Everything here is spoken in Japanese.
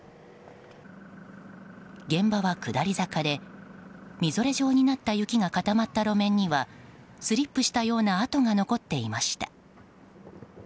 現場は下り坂でみぞれ状になった雪が固まった路面にはスリップしたような跡が残っていました。